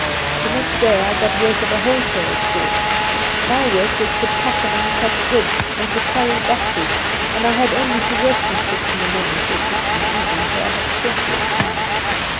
The next day I got work at a wholesale store. My work was to pack and unpack goods, and to carry boxes, and I had to work from six in the morning to six in the evening; so I had plenty of time.